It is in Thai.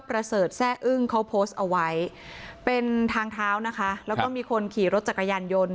ประเสริฐแซ่อึ้งเขาโพสต์เอาไว้เป็นทางเท้านะคะแล้วก็มีคนขี่รถจักรยานยนต์